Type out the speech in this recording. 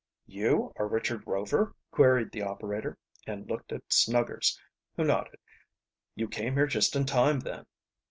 "You are Richard Rover?" queried the operator, and looked at Snuggers, who nodded. "You came here just in time, then."